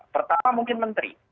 pertama mungkin menteri